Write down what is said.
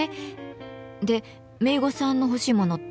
でめいごさんの欲しいものって？